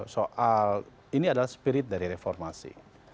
soal ini adalah spirit dari reformasi